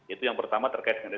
itu yang pertama terkait dengan